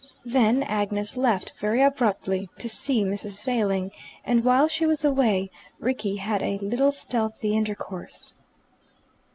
Then Agnes left, very abruptly, to see Mrs. Failing, and while she was away Rickie had a little stealthy intercourse.